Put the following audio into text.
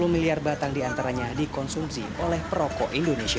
dua ratus empat puluh miliar batang di antaranya dikonsumsi oleh perokok